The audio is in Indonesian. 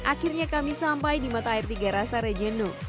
akhirnya kami sampai di mata air tiga rasa rejenu